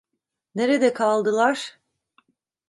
Nerede kaldılar?